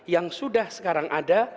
yang sudah sekarang ada